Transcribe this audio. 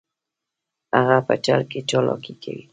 هغه په چل کې چلاکي کوي